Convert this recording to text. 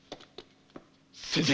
先生！